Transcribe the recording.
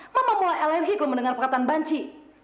mama mulai alergi kalau mendengar perkataan banci